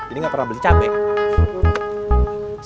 ini nggak pernah beli cabai